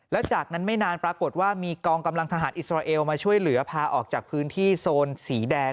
แล้วจากนั้นไม่นานปรากฏว่ามีกองกำลังทหารอิสราเอลมาช่วยเหลือพาออกจากพื้นที่โซนสีแดง